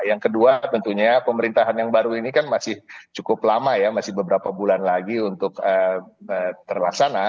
yang kedua tentunya pemerintahan yang baru ini kan masih cukup lama ya masih beberapa bulan lagi untuk terlaksana